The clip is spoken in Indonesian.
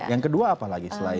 yang kedua apalagi selain